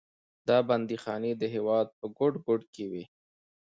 دا بندیخانې د هېواد په ګوټ ګوټ کې وې.